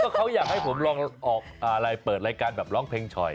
เขาอยากให้ผมลองเปิดรายการร้องเพลงช่อย